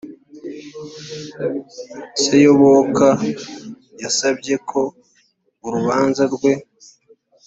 seyoboka yasabye ko urubanza rwe